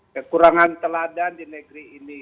kekurangan teladan di negeri ini